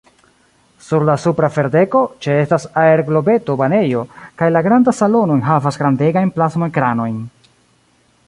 Sur la supra ferdeko, ĉeestas aerglobeto-banejo kaj la granda salono enhavas grandegajn plasmo-ekranojn.